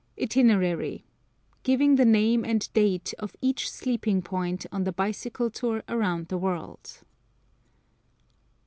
ITINERARY: GIVING THE NAME AND DATE OF EACH SLEEPING POINT ON THE BICYCLE TOUR AROUND THE WORLD.